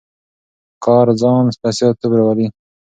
کار ځان بسیا توب راولي.